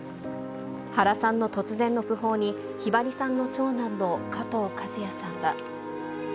原さんの突然の訃報に、ひばりさんの長男の加藤和也さんは。